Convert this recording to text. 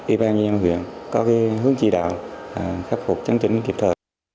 y bài nhân dân huyện có cái hướng chỉ đạo khắc phục chấn chính kịp thời